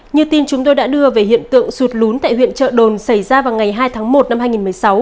như tin chúng tôi đã đưa về hiện tượng sụt lún tại huyện trợ đồn xảy ra vào ngày hai tháng một năm hai nghìn một mươi sáu